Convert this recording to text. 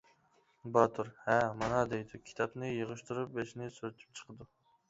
باتۇر:-ھە، مانا دەيدۇ كىتابنى يىغىشتۇرۇپ يېشىنى سۈرتۈپ چىقىدۇ.